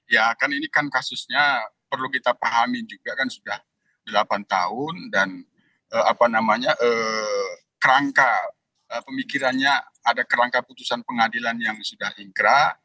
ya kan ini kan kasusnya perlu kita pahami juga kan sudah delapan tahun dan kerangka pemikirannya ada kerangka putusan pengadilan yang sudah ingkrak